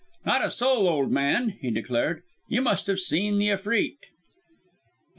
"Not a soul, old man," he declared. "You must have seen the Efreet!"